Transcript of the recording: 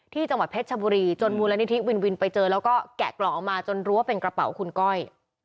ที่จังหวัดเพชรชบุรีจนมูลนิธิวินวินไปเจอแล้วก็แกะกล่องออกมาจนรู้ว่าเป็นกระเป๋าคุณก้อย